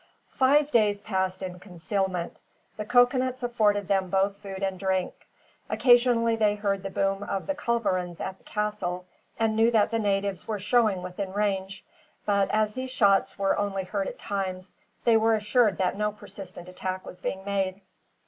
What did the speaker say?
Five days passed in concealment. The coconuts afforded them both food and drink. Occasionally they heard the boom of the culverins at the castle, and knew that the natives were showing within range; but as these shots were only heard at times, they were assured that no persistent attack was being made.